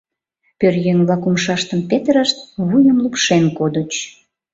Пӧръеҥ-влак умшаштым петырышт, вуйым лупшен кодыч